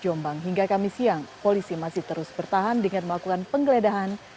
jombang hingga kami siang polisi masih terus bertahan dengan melakukan penggeledahan